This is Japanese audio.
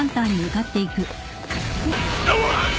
うわっ！